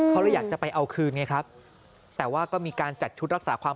เขาเลยอยากจะไปเอาคืนไงครับแต่ว่าก็มีการจัดชุดรักษาความ